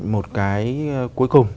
một cái cuối cùng